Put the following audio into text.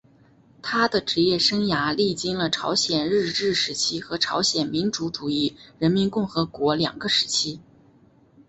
他的职业生涯历经了朝鲜日治时期和朝鲜民主主义人民共和国两个时期。